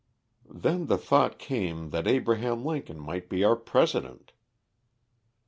Then the thought came that Abraham Lincoln might be our president.